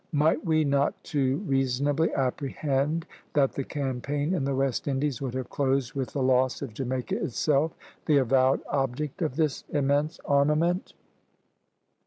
Might we not too reasonably apprehend that the campaign in the West Indies would have closed with the loss of Jamaica itself, the avowed object of this immense armament?"